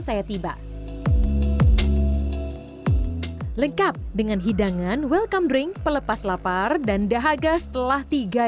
saya tiba lengkap dengan hidangan welcome drink pelepas lapar dan dahaga setelah tiga